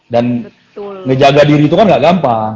dan ngejaga diri itu kan gak gampang